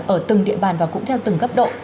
ở từng địa bàn và cũng theo từng cấp độ